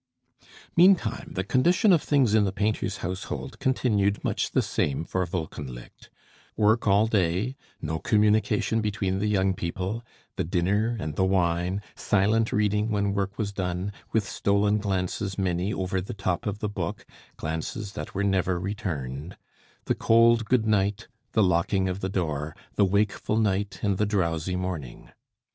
Meantime, the condition of things in the painter's household continued much the same for Wolkenlicht work all day; no communication between the young people; the dinner and the wine; silent reading when work was done, with stolen glances many over the top of the book, glances that were never returned; the cold good night; the locking of the door; the wakeful night and the drowsy morning.